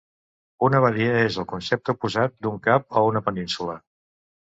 Una badia és el concepte oposat d'un cap o una península.